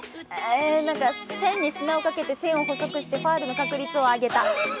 線に砂をかけて線を細くしてファウルの確率を上げた。